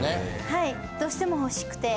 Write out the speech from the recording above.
はいどうしても欲しくて。